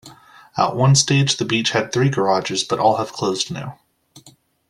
At one stage the beach had three garages but all have closed now.